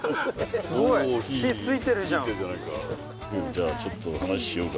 じゃあちょっと話しようか。